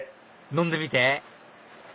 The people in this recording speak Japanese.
飲んでみて！